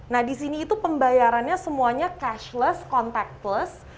nah disini itu pembayarannya semuanya cashless contactless